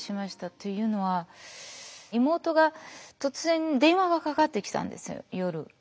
というのは妹が突然電話がかかってきたんです夜。